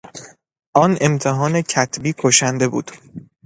آن امتحان کتبی کشنده بود!